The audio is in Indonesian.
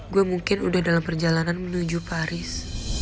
gue mungkin udah dalam perjalanan menuju paris